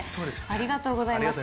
ありがとうございます。